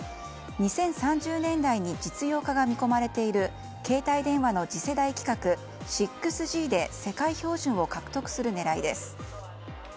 ２０３０年代に実用化が見込まれている携帯電話の次世代規格６Ｇで世界標準を獲得する狙いです。